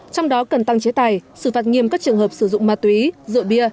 trong đó cần tăng chế tài xử phạt nghiêm các trường hợp sử dụng ma túy rượu bia